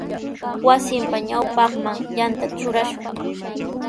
Wasinpa ñawpanman yanta trurashun.